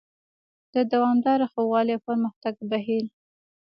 د دوامداره ښه والي او پرمختګ بهیر: